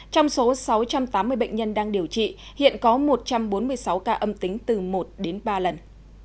trong số sáu trăm tám mươi bệnh nhân đang điều trị hiện có một trăm bốn mươi sáu ca âm tính từ một đến ba lần